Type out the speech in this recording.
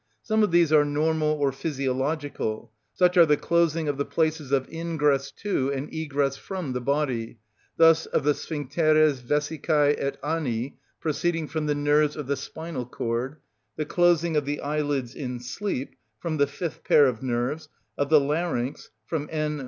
Some of these are normal or physiological; such are the closing of the places of ingress to and egress from the body, thus of the sphincteres vesicæ et ani (proceeding from the nerves of the spinal cord); the closing of the eyelids in sleep (from the fifth pair of nerves), of the larynx (from _N.